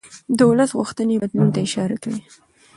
د ولس غوښتنې بدلون ته اشاره کوي